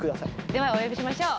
ではお呼びしましょう。